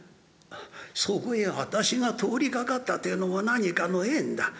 そこへ私が通りがかったってえのも何かの縁だ。